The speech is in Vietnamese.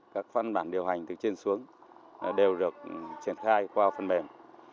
các văn bản điều hành từ trên xuống đều được triển khai qua phần mềm